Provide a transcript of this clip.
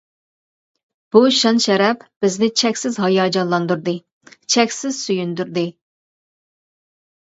بۇ شان-شەرەپ بىزنى چەكسىز ھاياجانلاندۇردى، چەكسىز سۆيۈندۈردى.